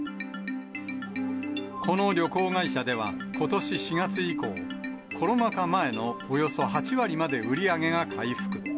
この旅行会社では、ことし４月以降、コロナ禍前のおよそ８割まで売り上げが回復。